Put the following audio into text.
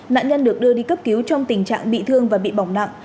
nạn nhân được đưa đi cấp cứu trong tình trạng bị thương và bị bỏng nặng